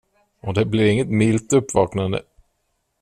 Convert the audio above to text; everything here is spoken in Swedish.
Och det blir inget milt uppvaknande.